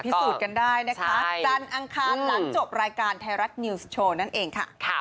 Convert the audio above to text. พิสูจน์กันได้นะคะจันทร์อังคารหลังจบรายการไทยรัฐนิวส์โชว์นั่นเองค่ะ